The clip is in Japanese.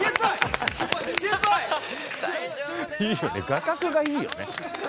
画角がいいよね。